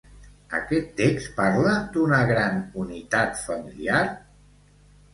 Aquest text parla d'una gran unitat familiar?